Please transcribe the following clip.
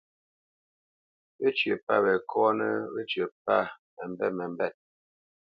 Wécyə̌ pə́ we kɔ́nə́, wécyə̌ pə́ we məmbêt məmbêt.